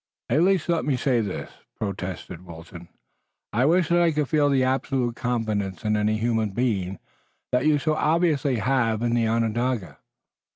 "At least let me say this," protested Wilton. "I wish that I could feel the absolute confidence in any human being that you so obviously have in the Onondaga."